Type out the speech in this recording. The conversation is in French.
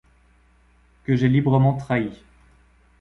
Que j’ai librement trahi.